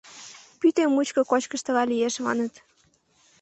Пӱтӧ мучко кочкыш тыгай лиеш, — маныт.